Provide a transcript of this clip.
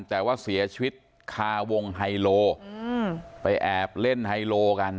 แต่ว่าเสียชีวิตคาวงไฮโลไปแอบเล่นไฮโลกัน